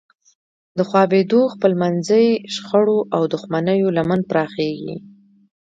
د خوابدیو، خپلمنځي شخړو او دښمنیو لمن پراخیږي.